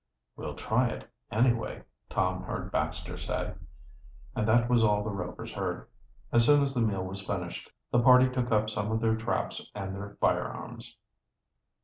"We'll try it, anyway," Tom heard Baxter say, and that was all the Rovers heard. As soon as the meal was finished the party took up some of their traps and their firearms.